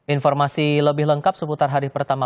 informasi lebih lengkap seputar hari pertama